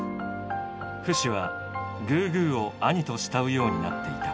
フシはグーグーを「兄」と慕うようになっていた。